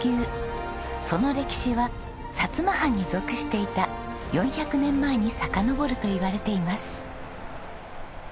その歴史は薩摩藩に属していた４００年前にさかのぼるといわれています。